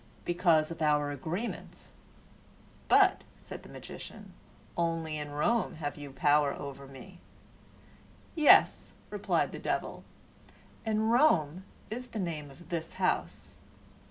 "Because of our agreement." "But," said the magician, "only in Rome have you power over me." "Yes," replied the devil, "and Rome is the name of this house."